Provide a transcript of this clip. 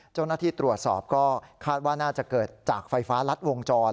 เจ้าหน้าที่ตรวจสอบก็คาดว่าน่าจะเกิดจากไฟฟ้ารัดวงจร